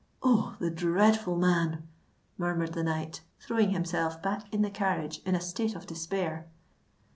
"Oh! the dreadful man!" murmured the knight, throwing himself back in the carriage in a state of despair.